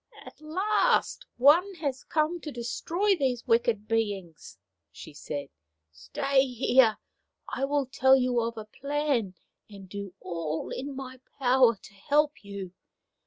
" At last one has come to destroy these wicked beings !" she said. " Stay here. I will tell you of a plan, and do all in my power to help you.